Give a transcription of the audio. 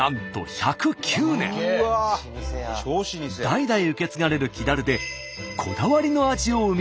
代々受け継がれる木樽でこだわりの味を生み出しています。